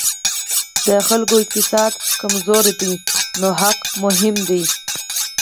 د خلکو اقتصاد کمزوری دی نو حق مهم دی.